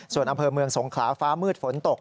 ส่วนอำเภอเมืองสงขลาฟ้ามืดฝนตก